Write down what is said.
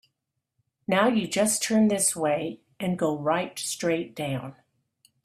Now you just turn this way and go right straight down.